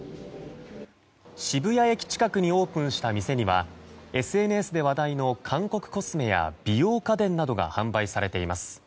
渋谷駅近くにオープンした店にはＳＮＳで話題の韓国コスメや美容家電などが販売されています。